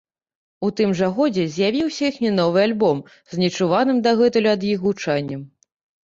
У тым жа годзе з'явіўся іхні новы альбом з нечуваным дагэтуль ад іх гучаннем.